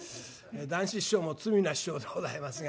談志師匠も罪な師匠でございますが。